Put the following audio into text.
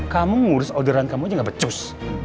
kamu ngurus orderan kamu aja gak becus